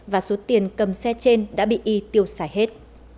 và số tiền cầm xe trên đã bị y tiêu xài hết